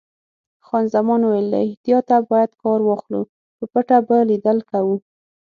خان زمان وویل: له احتیاطه باید کار واخلو، په پټه به لیدل کوو.